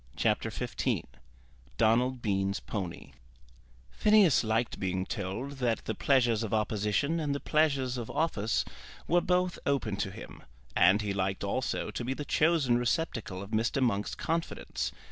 CHAPTER XV Donald Bean's Pony Phineas liked being told that the pleasures of opposition and the pleasures of office were both open to him, and he liked also to be the chosen receptacle of Mr. Monk's confidence.